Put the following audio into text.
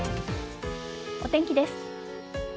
お天気です。